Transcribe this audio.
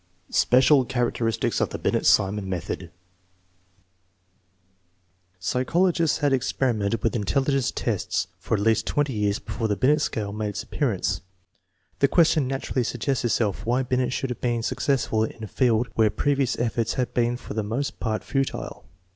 Special characteristics of the Binet Sixnon method. Psychologists had experimented \vilh intelligence tests for at least twenty years before the Hinet scale made its ap pearance. The question naturally suggests itself why IJinet should have been successful in a field where previous efforts had been for the most part futile.